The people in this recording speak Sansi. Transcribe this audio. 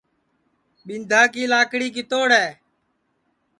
ٻِینٚدا کی لاکڑی کِتوڑ ہے